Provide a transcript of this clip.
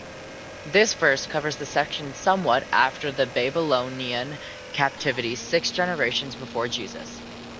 This verse covers the section somewhat after the Babylonian Captivity six generation before Jesus.